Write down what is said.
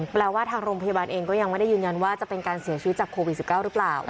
แปลว่าทางโรงพยาบาลเองก็ยังไม่ได้ยืนยันว่าจะเป็นการเสียชีวิตจากโควิด๑๙หรือเปล่า